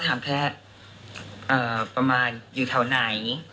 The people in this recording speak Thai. ก็ถามแค่ประมาณอยู่เท่าไหน